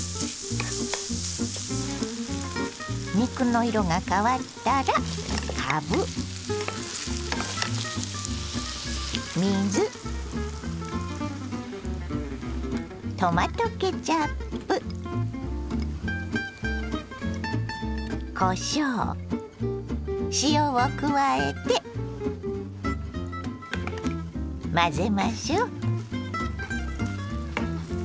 肉の色が変わったらかぶ水トマトケチャップこしょう塩を加えて混ぜましょう。